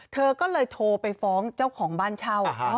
เธอก็เลยโทรไปฟ้องเจ้าของบ้านเช่า